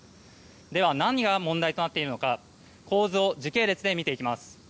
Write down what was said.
では、何が問題かというのか構図を時系列で見ていきます。